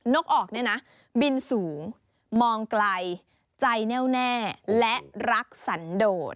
กออกเนี่ยนะบินสูงมองไกลใจแน่วแน่และรักสันโดด